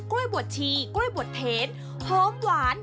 กล้วยบวชีกล้วยบวชเทน